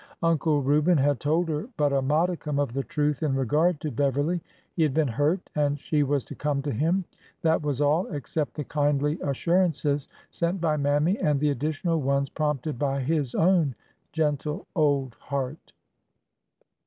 Uncle Reuben had told her but a modicum of the truth in regard to Beverly. He had been hurt and she was to come to him — that was all, except the kindly assurances sent by Mammy and the additional ones prompted by his own gentle old heart.